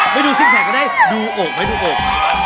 ไปดูซิกแพคก็ได้ดูอกไหมทุกอก